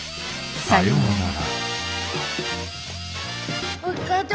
さようなら。